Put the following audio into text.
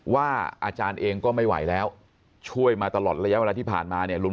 อาจารย์เองก็ไม่ไหวแล้วช่วยมาตลอดระยะเวลาที่ผ่านมาเนี่ย